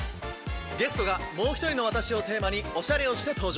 ゲストがもう一人の私をテーマにおしゃれをして登場。